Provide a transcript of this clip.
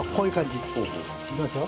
いきますよ